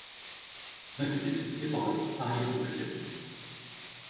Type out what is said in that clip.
L'accès se fait par la porte arrière de la cabine.